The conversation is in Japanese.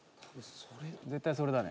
絶対それだね。